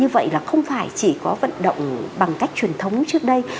như vậy là không phải chỉ có vận động bằng cách truyền thống trước đây